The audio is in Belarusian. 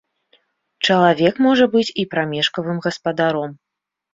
Чалавек можа быць і прамежкавым гаспадаром.